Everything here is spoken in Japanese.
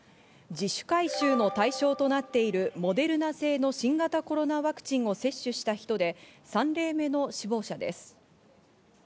自主回収の対象となっているモデルナ製の新型コロナワクチンを接種した人で３例目の死亡者です。